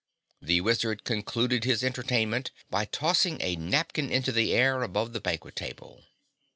The Wizard concluded his entertainment by tossing a napkin into the air above the banquet table.